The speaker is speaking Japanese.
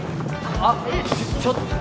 あっちょっと！